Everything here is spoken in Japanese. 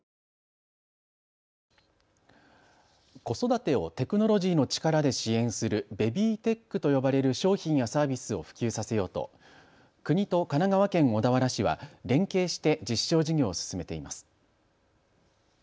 子育てをテクノロジーの力で支援するベビーテックと呼ばれる商品やサービスを普及させようと国と神奈川県小田原市は連携して実証事業を進めています。